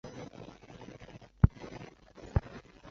竹山淫羊藿为小檗科淫羊藿属下的一个种。